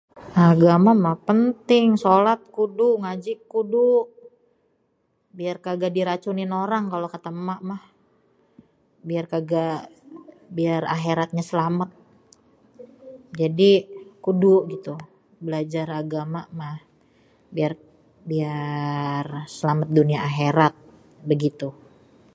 Kalo agama mah penting, solat kudu, ngaji kudu, biar kaga diracunin orang kalo kata émak mah. Biar kaga, biar akhératnya selamét, jadi kudu gitu, belajar agama mah, biar, biar selamét dunia akhérat begitu.